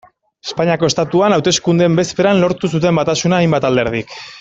Espainiako Estatuan hauteskundeen bezperan lortu zuten batasuna hainbat alderdik.